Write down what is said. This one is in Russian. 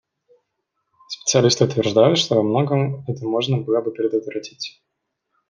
Специалисты утверждают, что во многом это можно было бы предотвратить.